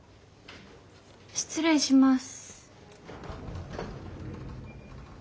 失礼します。